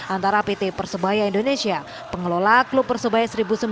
antara pt persebaya indonesia pengelola klub persebaya seribu sembilan ratus empat puluh